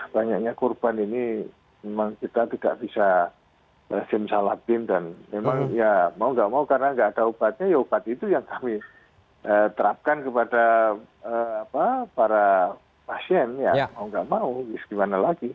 banyaknya korban ini memang kita tidak bisa salah bin dan memang ya mau nggak mau karena nggak ada obatnya ya obat itu yang kami terapkan kepada para pasien ya mau nggak mau gimana lagi